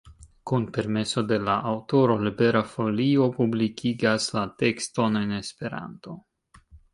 Kun permeso de la aŭtoro Libera Folio publikigas la tekston en Esperanto.